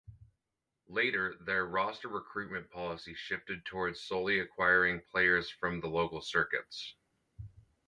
Later their roster recruitment policy shifted towards solely acquiring players from the local circuits.